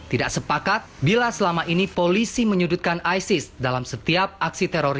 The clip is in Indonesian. tidak sepakat bila selama ini polisi menyudutkan isis dalam setiap aksi terorisme